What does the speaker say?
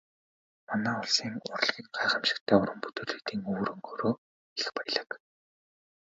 Манай улс урлагийн гайхамшигтай уран бүтээлүүдийн өв хөрөнгөөрөө их баялаг.